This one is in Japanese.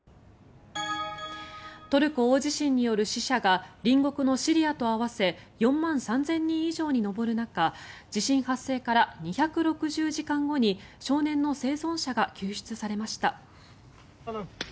トルコ大地震による死者が隣国のシリアと合わせ４万３０００人以上に上る中地震発生から２６０時間後に少年の生存者が救出されました。